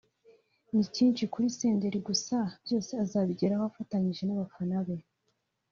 ni cyinshi kuri Senderi gusa byose azabigeraho afatanyije n’abafana be